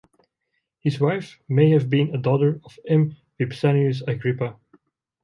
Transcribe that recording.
His wife may have been a daughter of M. Vipsanius Agrippa.